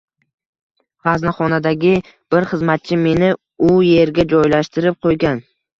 G`aznaxonadagi bir xizmatchi meni u erga joylashtirib qo`ygan